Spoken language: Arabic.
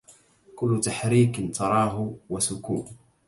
كل تحريك تراه وسكون